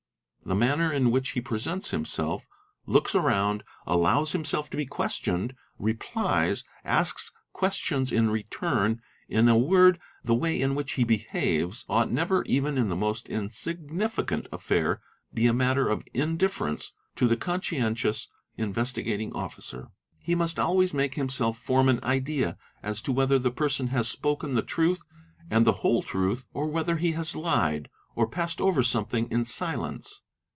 The manner in which 2 presents himself, looks around, allows himself to be questioned, re pein asks questions in return, in a word the way in which he behaves, sught never even in the most insignificant affair be a matter of in Be ference to the conscientious Investigating Officer. He must always make himself form an idea as to whether the person has spoken the 'truth and the whole truth, or whether he has lied, or passed over omething in silence.